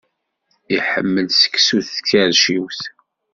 Iḥemmel seksu s tkerciwt?